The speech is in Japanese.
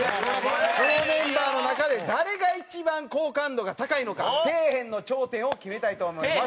このメンバーの中で誰が一番好感度が高いのか底辺の頂点を決めたいと思います。